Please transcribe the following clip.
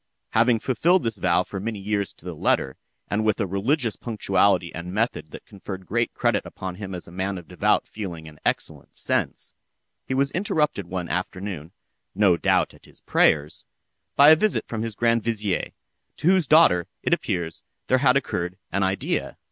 Having fulfilled this vow for many years to the letter, and with a religious punctuality and method that conferred great credit upon him as a man of devout feeling and excellent sense, he was interrupted one afternoon (no doubt at his prayers) by a visit from his grand vizier, to whose daughter, it appears, there had occurred an idea.